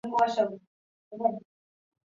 属于移调乐器。